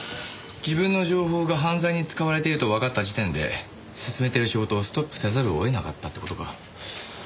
自分の情報が犯罪に使われているとわかった時点で進めている仕事をストップせざるを得なかったって事か。